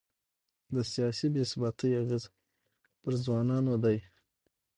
د سیاسي بې ثباتۍ اغېز پر ځوانانو دی.